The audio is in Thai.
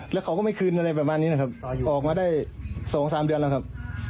แล้วเขาก็ไม่คืนอะไรประมาณนี้นะครับออกมาได้๒๓เดือนแล้วครับ